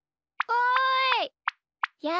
おい！